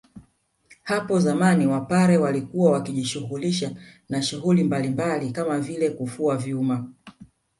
Hapo zamani wapare walikuwa wakijihusisha na shughuli mbalmbali Kama vile kufua vyuma